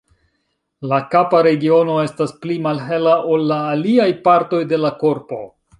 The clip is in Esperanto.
La kapa regiono estas pli malhela ol la aliaj partoj de la korpo.